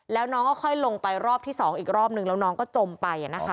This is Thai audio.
แล้วน้องก็ค่อยลงไปรอบที่๒อีกรอบนึงแล้วน้องก็จมไปนะคะ